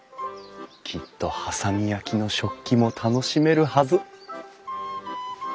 きっと波佐見焼の食器も楽しめるはず！